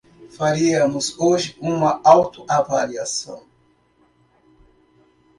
Faríamos hoje uma autoavaliação